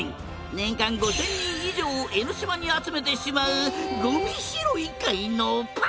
年間５０００人以上を江ノ島に集めてしまうごみ拾い界のパ！